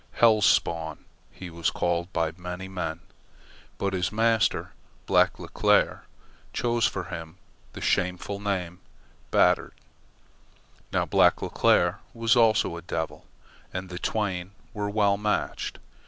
"Hell's Spawn" he was called by many men, but his master, Black Leclere, chose for him the shameful name "Batard." Now Black Leclere was also a devil, and the twain were well matched.